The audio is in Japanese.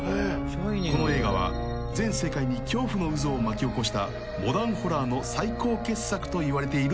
［この映画は全世界に恐怖の渦を巻き起こしたモダンホラーの最高傑作といわれている作品］